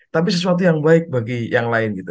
tapi sesuatu yang baik bagi yang lain gitu